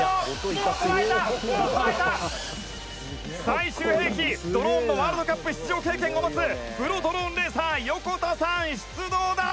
「最終兵器、ドローンのワールドカップ出場経験を持つプロドローンレーサー横田さん、出動だ！」